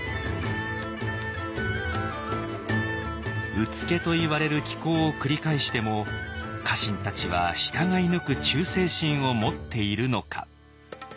「うつけ」といわれる奇行を繰り返しても家臣たちは従い抜く忠誠心を持っているのか。